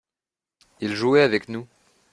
il jouait avec nous.